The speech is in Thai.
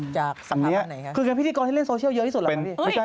จากสถาปันไหนครับคือการพิธีกรที่เล่นโซเชียลเยอะที่สุดหรือเปล่า